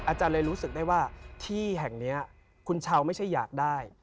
อาจารย์เลยรู้สึกได้ว่าที่แห่งนี้คุณเช้าไม่ใช่อยากได้